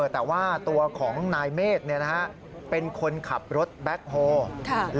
แต่ว่าตัวของนายเมฆเป็นคนขับรถแบ็คโฮล์